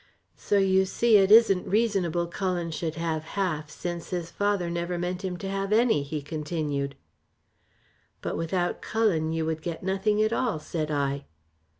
"So you see, it isn't reasonable Cullen should have half since his father never meant him to have any," he continued. "But without Cullen you would get nothing at all," said I.